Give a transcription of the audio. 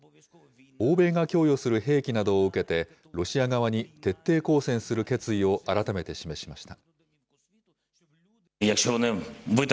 欧米が供与する兵器などを受けて、ロシア側に徹底抗戦する決意を改めて示しました。